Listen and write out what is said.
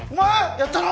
やったの？